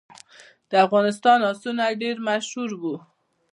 د افغانستان آسونه ډیر مشهور وو